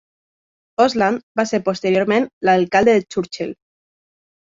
Osland va ser posteriorment l'alcalde de Churchill.